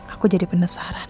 aku jadi penasaran